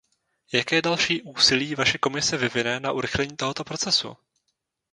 Jaké další úsilí vaše Komise vyvine na urychlení tohoto procesu?